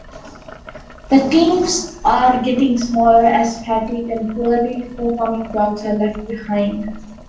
The teams are getting smaller as fatigued and poorly performing dogs are left behind.